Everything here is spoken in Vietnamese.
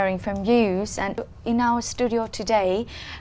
trong bộ phim hôm nay